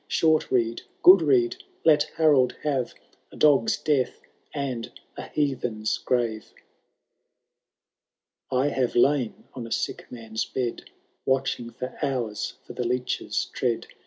Short rede, good rede, let Harold haT^ A dog*s death and a heathen*s gruTe. Ithave lain on a sick man^ bed. Watching for hours for the leedi*a tread.